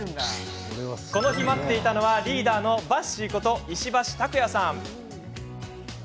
この日、待っていたのはリーダーのバッシーこと石橋拓也さん。